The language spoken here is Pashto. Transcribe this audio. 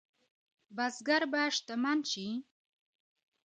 بزګر به شتمن شي؟